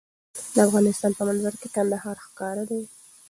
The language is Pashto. د افغانستان په منظره کې کندهار ښکاره ده.